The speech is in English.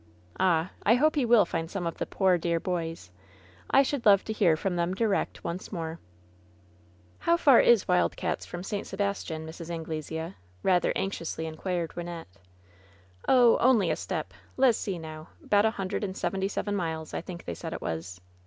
Ah ! I hope he will find some of the poor, dear boys ! I should love to hear from them direct, once more/' "How far is Wild Cats' from St. Sebastian, Mrs. Anglesea?" rather anxiously inquired Wynnette. "Oh, only a step — le's see, now; 'bout a hundred and seventy seven miles, I think they said it was."